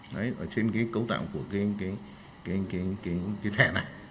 đấy ở trên cái cấu tạo của cái thẻ này